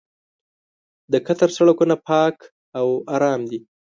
د قطر سړکونه پاک او ارام دي.